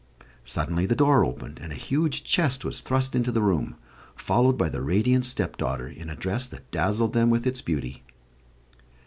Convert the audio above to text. Suddenly the door opened, and a huge chest was thrust into the room, followed by the radiant stepdaughter, in a dress that dazzled them with its beauty.